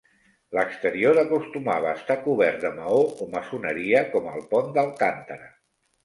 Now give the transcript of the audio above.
L'exterior acostumava a estar cobert de maó o maçoneria, com al pont d'Alcántara.